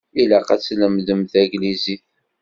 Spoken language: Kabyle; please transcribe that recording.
Ilaq ad tlemdemt taglizit.